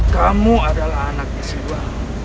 kamu adalah anaknya siliwang